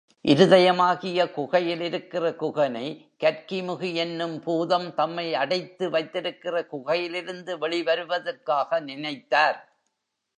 இருதயமாகிய குகையில் இருக்கிற குகனை, கற்கிமுகி என்னும் பூதம் தம்மை அடைத்து வைத்திருக்கிற குகையிலிருந்து வெளி வருவதற்காக நினைத்தார்.